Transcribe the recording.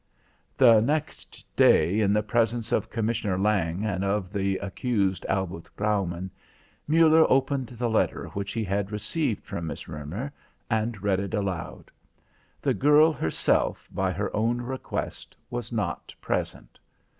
The next day, in the presence of Commissioner Lange and of the accused Albert Graumann, Muller opened the letter which he had received from Miss Roemer and read it aloud. The girl herself, by her own request, was not present.